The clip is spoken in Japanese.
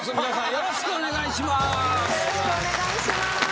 よろしくお願いします。